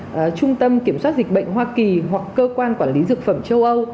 và trung tâm kiểm soát dịch bệnh hoa kỳ hoặc cơ quan quản lý dược phẩm châu âu